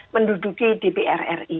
menduduki dpr ri